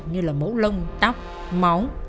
như là mẫu lông tóc máu